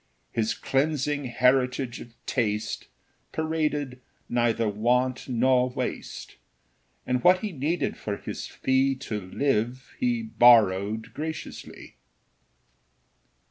His cleansing heritage of taste Paraded neither want nor waste; And what he needed for his fee To live, he borrowed graciously.